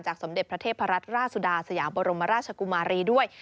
สมเด็จพระเทพรัตนราชสุดาสยามบรมราชกุมารีด้วย